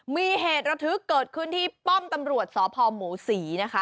มีเหตุระทึกเกิดขึ้นที่ป้อมตำรวจสพหมูศรีนะคะ